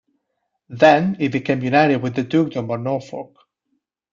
Then, it became united with the Dukedom of Norfolk.